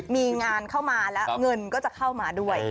มีงานเข้ามาแล้วเงินก็จะเข้ามาด้วย